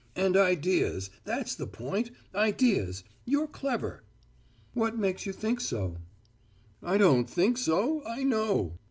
"And ideas, that's the point, ideas. You're clever." "What makes you think so?" "I don't think so; I know."